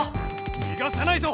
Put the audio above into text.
にがさないぞ！